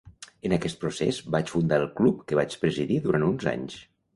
En aquest procés, vaig fundar el club que vaig presidir durant uns anys.